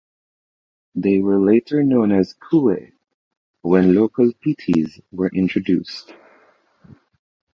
They were later known as 'Kue' when local 'Pitis' were introduced.